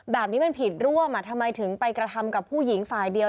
แบบนี้มันผิดร่วมทำไมถึงไปกระทำกับผู้หญิงฝ่ายเดียว